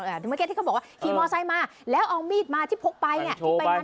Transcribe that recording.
เมื่อกี้ที่เขาบอกว่าขี่มอไซค์มาแล้วเอามีดมาที่พกไปเนี่ยที่ไปนั้น